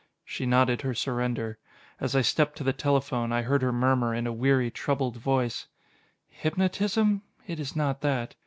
She nodded her surrender. As I stepped to the telephone, I heard her murmur, in a weary, troubled voice: "Hypnotism? It is not that.